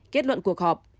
kết luận cuộc họp